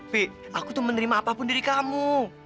bebe aku tuh menerima apapun dari kamu